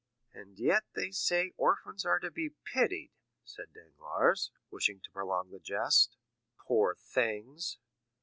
"And yet they say orphans are to be pitied," said Danglars, wishing to prolong the jest. "Poor things!"